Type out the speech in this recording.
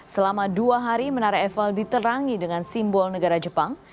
selama dua hari menara eiffel diterangi dengan simbol negara jepang